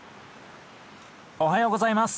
おはようございます！